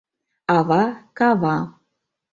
Ава — кава.